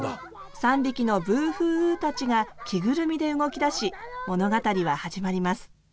３匹のブーフーウーたちが着ぐるみで動きだし物語は始まります。